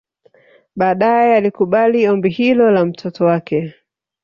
Baadaye alikubali ombi hilo la mtoto wake